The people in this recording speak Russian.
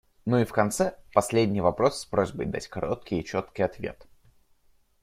Ну и в конце - последний вопрос с просьбой дать короткий и четкий ответ.